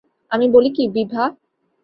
আমি বলি কি– বিভা।